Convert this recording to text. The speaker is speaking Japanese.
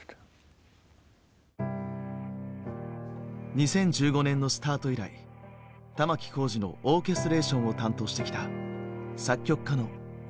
２０１５年のスタート以来玉置浩二のオーケストレーションを担当してきた作曲家の山下康介。